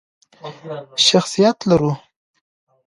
شخصیت لرو.